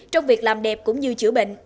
trong việc làm đẹp cũng như chữa bệnh